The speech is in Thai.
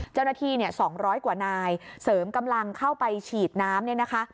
เจ้าหน้าที่๒๐๐กว่านายเสริมกำลังเข้าไปฉีดน้ำเนี่ยนะคะ